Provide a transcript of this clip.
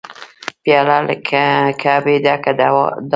پیاله له کعبې ډکه دعا لري.